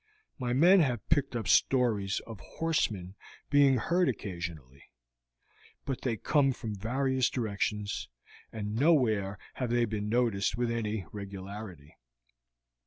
My men have picked up stories of horsemen being heard occasionally, but they come from various directions, and nowhere have they been noticed with any regularity.